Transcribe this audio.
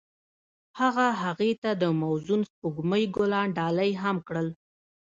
هغه هغې ته د موزون سپوږمۍ ګلان ډالۍ هم کړل.